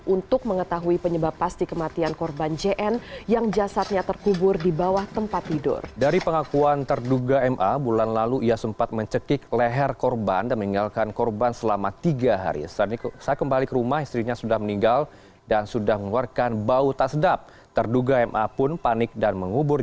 untuk mengetahui penyebab pasti kematian korban jn yang jasadnya terkubur di bawah tempat tidur